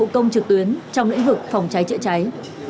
dịch vụ công trực tuyến trong lĩnh vực phòng cháy chữa cháy